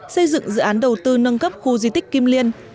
xây dựng dự án đầu tư nâng cấp khu di tích kim liên